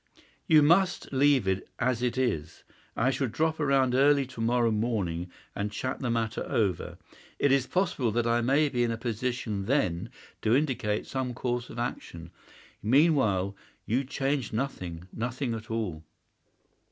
"You must leave it as it is. I shall drop round early to morrow morning and chat the matter over. It is possible that I may be in a position then to indicate some course of action. Meanwhile you change nothing—nothing at all."